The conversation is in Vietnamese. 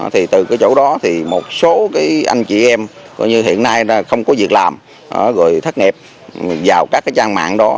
thì từ cái chỗ đó thì một số cái anh chị em coi như hiện nay không có việc làm rồi thất nghiệp vào các cái trang mạng đó